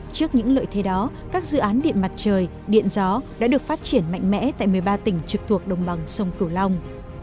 trước những lợi thế đó các dự án điện mặt trời điện gió đã được phát triển mạnh mẽ tại một mươi ba tỉnh trực thuộc đồng bằng sông cửu long